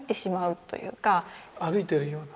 歩いているような。